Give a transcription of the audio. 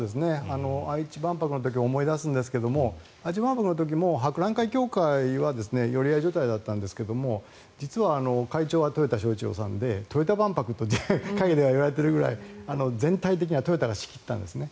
愛知万博の時を思い出すんですが愛知万博の時も博覧会協会は寄り合い所帯だったんですが実は会長は豊田さんでトヨタ万博と裏では言われているくらい全体的にはトヨタが仕切っていたんですね。